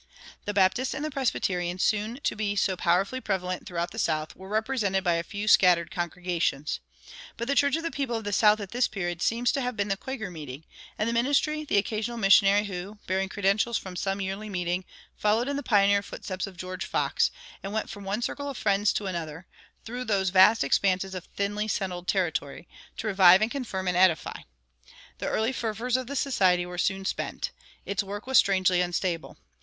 The Baptists and the Presbyterians, soon to be so powerfully prevalent throughout the South, were represented by a few scattered congregations. But the church of the people of the South at this period seems to have been the Quaker meeting, and the ministry the occasional missionary who, bearing credentials from some yearly meeting, followed in the pioneer footsteps of George Fox, and went from one circle of Friends to another, through those vast expanses of thinly settled territory, to revive and confirm and edify. The early fervors of the Society were soon spent. Its work was strangely unstable.